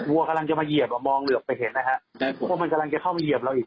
วัวกำลังจะมาเหยียบอ่ะมองเหลือบไปเห็นนะฮะพวกมันกำลังจะเข้ามาเหยียบเราอีก